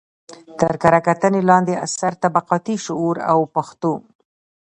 تر کره کتنې لاندې اثر: طبقاتي شعور او پښتو